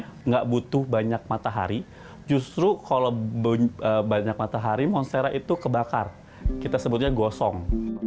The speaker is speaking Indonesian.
tidak butuh banyak matahari justru kalau banyak matahari monstera itu kebakar kita sebutnya gosong